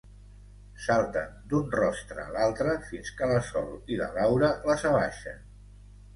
Salten d'un rostre a l'altre fins que la Sol i la Laura les abaixen.